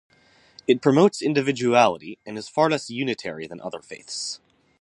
It promotes individuality, and is far less unitary than other faiths.